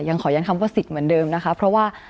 ขอยันคำว่าสิทธิ์เหมือนเดิมนะคะเพราะว่า